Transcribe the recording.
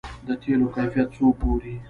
د تیلو کیفیت څوک ګوري؟